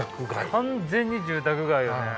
完全に住宅街だね。